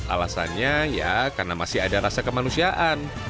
alasannya ya karena masih ada rasa kemanusiaan